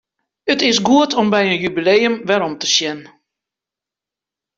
It is goed om by in jubileum werom te sjen.